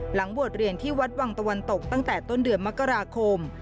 บวชเรียนที่วัดวังตะวันตกตั้งแต่ต้นเดือนมกราคม